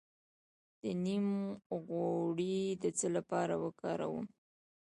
د نیم غوړي د څه لپاره وکاروم؟